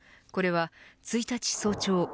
これは１日早朝